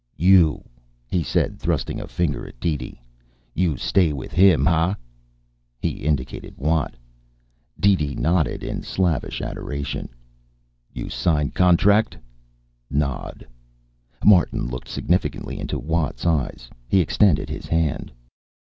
"You," he said, thrusting a finger at DeeDee. "You stay with him. Ha?" He indicated Watt. DeeDee nodded in slavish adoration. "You sign contract?" Nod. Martin looked significantly into Watt's eyes. He extended his hand.